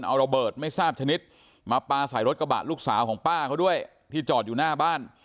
เอาระเบิดไม่ทราบชนิดมาปลาใส่รถกระบะลูกสาวของป้าเขาด้วยที่จอดอยู่หน้าบ้าน